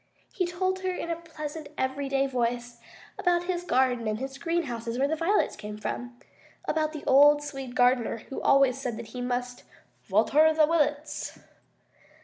He told her in a pleasant everyday voice about his garden and his greenhouses where the violets came from about the old Swede gardener who always said he must "vater the wi lets."